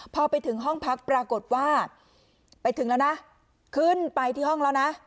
พอไปถึงห้องพักปรากฏว่าไปถึงแล้วนะขึ้นไปที่ห้องแล้วนะ